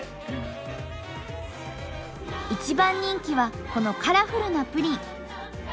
一番人気はこのカラフルなプリン。